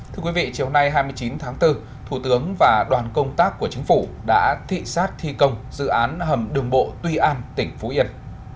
thưa quý vị chiều nay hai mươi chín tháng bốn thủ tướng và đoàn công tác của chính phủ đã thị xác thi công dự án hầm đường bộ tuy an tỉnh phú yên